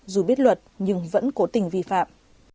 dù biết luật nhưng vẫn cố tình vi phạm